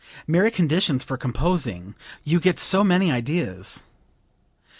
Merry conditions for composing! You get so many ideas!"